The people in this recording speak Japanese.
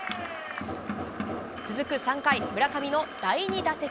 続く３回、村上の第２打席。